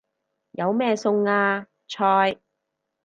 有咩餸啊？菜